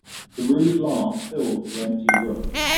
The rude laugh filled the empty room.